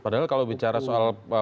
padahal kalau bicara soal